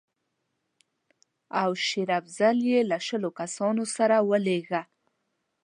او شېر افضل یې له شلو کسانو سره ولېږه.